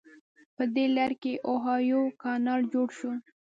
په دې لړ کې اوهایو کانال جوړ شو.